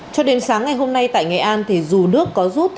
cho đến sáng ngày hôm nay tại nghệ an thì dù nước có rút